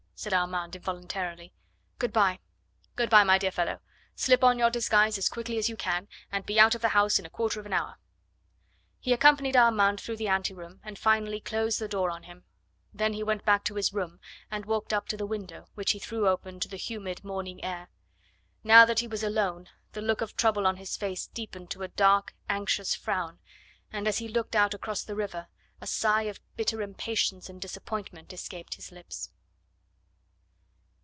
said Armand involuntarily. "Good bye!" "Good bye, my dear fellow. Slip on your disguise as quickly as you can, and be out of the house in a quarter of an hour." He accompanied Armand through the ante room, and finally closed the door on him. Then he went back to his room and walked up to the window, which he threw open to the humid morning air. Now that he was alone the look of trouble on his face deepened to a dark, anxious frown, and as he looked out across the river a sigh of bitter impatience and disappointment escaped his lips.